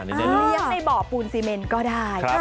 เลี้ยงในบ่อปูนซีเมนก็ได้